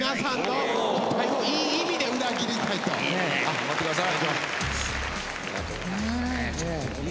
頑張って下さい。